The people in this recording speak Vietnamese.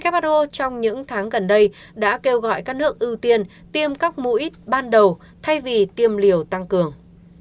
who trong những tháng gần đây đã kêu gọi các nước ưu tiên tiêm các mũi ban đầu thay vì tiêm liều tăng cường